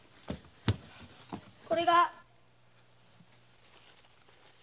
これが。